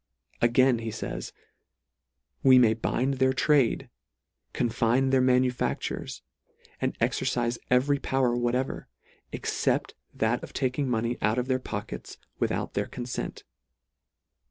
A gain he fays, " We may bind their trade, CONFINE THEIR MANUFACTURES, and exercife every power whatever, except that of taking money out of their pockets, with out THEIR CONSENT.